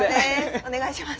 お願いします。